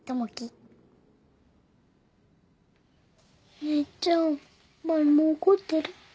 お姉ちゃんマルモ怒ってる？